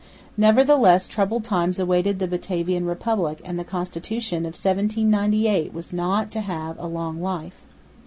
Nevertheless troubled times awaited the Batavian Republic, and the Constitution of 1798 was not to have a long life.